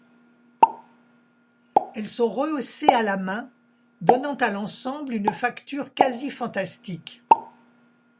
Elles sont rehaussées à la main, donnant à l'ensemble une facture quasi fantastique.